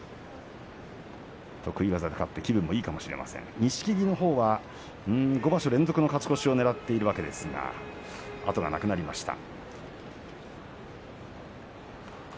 得意技で勝って気分がいいかもしれません錦木のほうは５場所連続の勝ち越しをねらっているわけですが、後がなくなりました。